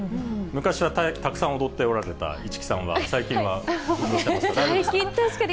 昔はたくさん踊っておられた市來さんは、最近は大丈夫ですか。